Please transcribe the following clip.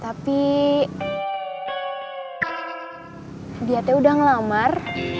tapi dia udah ngelamar